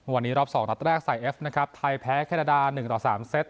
วันนี้รอบสองรับแรกใส่เอฟนะครับไทยแพ้แคนาดาหนึ่งต่อสามเซ็ต